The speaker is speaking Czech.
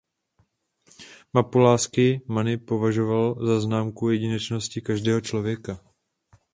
Mapu lásky Money považoval za známku jedinečnosti každého člověka.